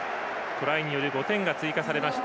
トライによる５点が追加されました